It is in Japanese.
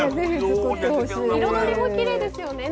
彩りもきれいですよね。